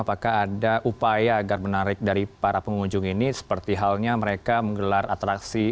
apakah ada upaya agar menarik dari para pengunjung ini seperti halnya mereka menggelar atraksi